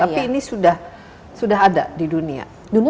tapi ini sudah ada di dunia